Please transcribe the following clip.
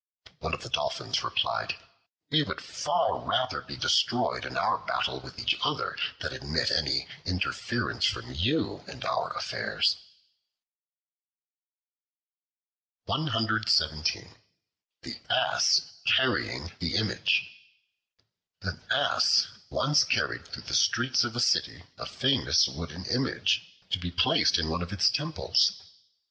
One of the Dolphins replied, "We would far rather be destroyed in our battle with each other than admit any interference from you in our affairs." The Ass Carrying the Image AN ASS once carried through the streets of a city a famous wooden Image, to be placed in one of its Temples.